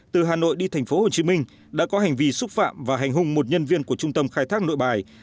từ hà nội đi tp hcm đã có hành vi xúc phạm và hành hung một nhân viên của trung tâm khai thác nội bài